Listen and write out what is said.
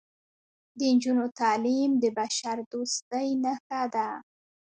د نجونو تعلیم د بشردوستۍ نښه ده.